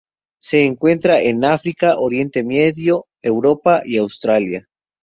Se encuentra en África, Oriente Medio, Europa y Australia.